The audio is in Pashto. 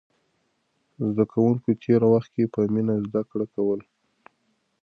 زده کوونکي تېر وخت کې په مینه زده کړه کوله.